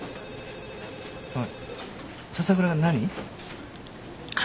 おい笹倉が何？